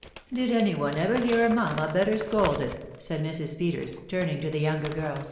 4< Bid any one ever hear a isamma better scolded ?" said Mrs. Peters, turning to the younger fjnk.